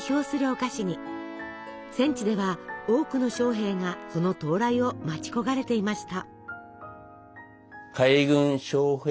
戦地では多くの将兵がその到来を待ち焦がれていました。